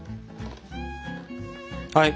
はい！